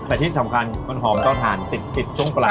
แต่ที่สำคัญมันหอมเตาถ่านติดช่วงปลาย